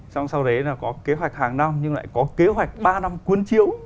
xong sau đấy là có kế hoạch hàng năm nhưng lại có kế hoạch ba năm cuốn chiếu